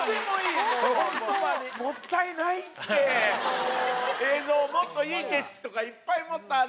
もったいないって！